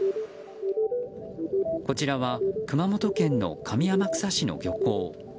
こちらは熊本県の上天草市の漁港。